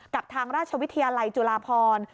กับทางราชวิทยาลัยจุฬาพร